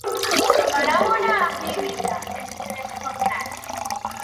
Parábola bíblica en tres jornadas.